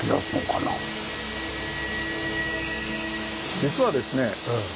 実はですね